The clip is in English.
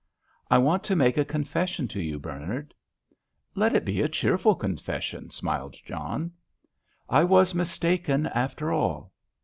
"I want to make a confession to you, Bernard." "Let it be a cheerful confession," smiled John. "I was mistaken, after all."